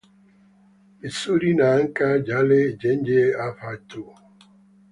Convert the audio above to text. vizuri na acha yale yenye afya tu.